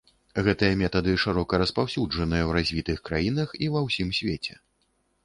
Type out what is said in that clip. Гэтыя метады шырока распаўсюджаныя ў развітых краінах і ва ўсім свеце.